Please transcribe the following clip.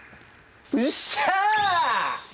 うっしゃ！